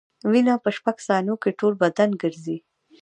وینه په شپږ ثانیو کې ټول بدن ګرځي.